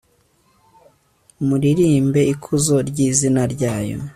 muririmbe ikuzo ry'izina ryayo